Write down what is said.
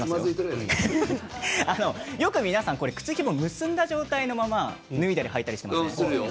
皆さん靴ひもを結んだまま脱いだり履いたりしていませんか？